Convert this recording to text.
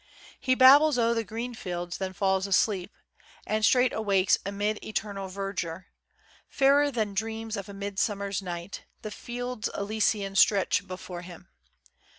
"He babbles o' green fields, then falls asleep," And straight awakes amid eternal verdure. Fairer than "dreams of a Midsummer's Night," The fields Elysian stretch before him.